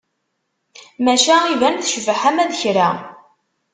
Maca iban tecbeḥ ama d kra.